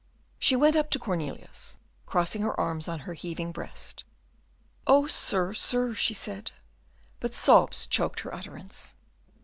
She went up to Cornelius, crossing her arms on her heaving breast. "Oh, sir, sir!" she said, but sobs choked her utterance.